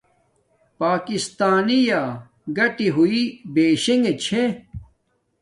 پاکستانی یا گاٹی ہوݵ بشنݣ چھے